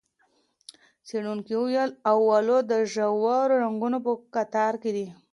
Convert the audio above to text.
څېړونکو وویل، اولو د ژورو رنګونو په کتار کې دی.